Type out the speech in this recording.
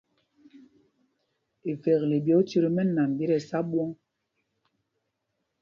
Ivekle ɓi otit o mɛ́nan ɓi tí ɛsá ɓwɔ̂ŋ.